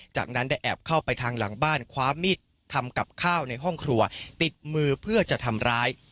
จากนั้นได้แอบเข้าไปทางหลังบ้านคว้ามิดทำกับข้าวในห้องครัวติดมือเพื่อจะทำร้าย